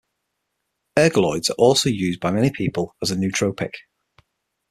Ergoloids are also used by many people as a nootropic.